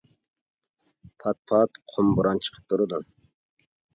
پات پات قۇم بوران چىقىپ تۇرىدۇ.